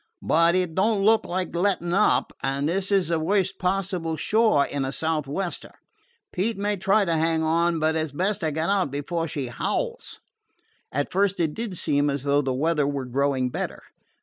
But it don't look like lettin' up, and this is the worst possible shore in a sou'wester. Pete may try to hang on, but it 's best to get out before she howls." At first it did seem as though the weather were growing better.